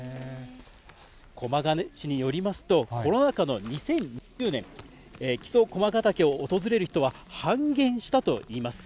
駒ヶ根市によりますと、コロナ禍の２０２０年、木曽駒ヶ岳を訪れる人は半減したといいます。